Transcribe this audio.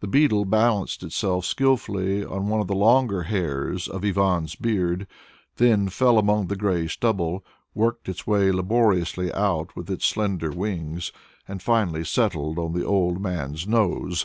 The beetle balanced itself skilfully on one of the longer hairs of Ivan's beard, then fell among the grey stubble, worked its way laboriously out with its slender wings, and finally settled on the old man's nose.